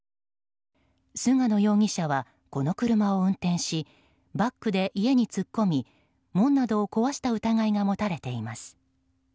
菅野容疑者は、この車を運転しバックで家に突っ込み門などを壊した疑いが持たれています。